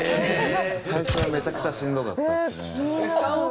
最初はめちゃくちゃしんどかったですね。